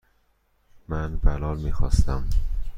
من بلال میخواستم.